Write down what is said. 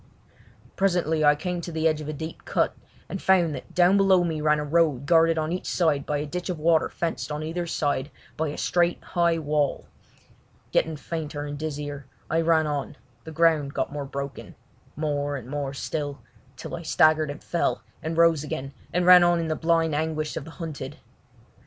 Presently I came to the edge of a deep cut, and found that down below me ran a road guarded on each side by a ditch of water fenced on either side by a straight, high wall. Getting fainter and dizzier, I ran on; the ground got more broken—more and more still, till I staggered and fell, and rose again, and ran on in the blind anguish of the hunted.